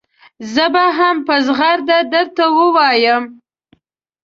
زه به هم په زغرده درته ووایم.